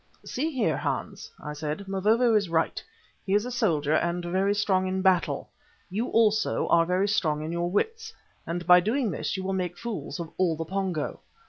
"See here, Hans," I said. "Mavovo is right. He is a soldier and very strong in battle. You also are very strong in your wits, and by doing this you will make fools of all the Pongo.